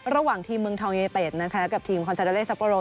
ระหว่างทีมเมืองทองเยเตศและทีมคอนซาโดเลสัปโปโร